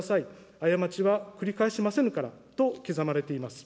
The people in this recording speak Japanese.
過ちは繰返しませぬからと刻まれています。